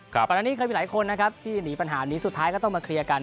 ก่อนหน้านี้เคยมีหลายคนนะครับที่หนีปัญหานี้สุดท้ายก็ต้องมาเคลียร์กัน